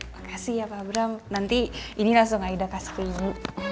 makasih ya pak abraham nanti ini langsung aida kasih ke ibu